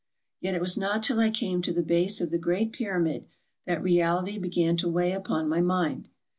Yet it was not till I came to the base of the great Pyramid that reality began to weigh upon my mind.